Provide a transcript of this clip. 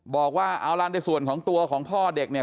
บอกว่าเอาล่ะในส่วนของตัวของพ่อเด็กเนี่ย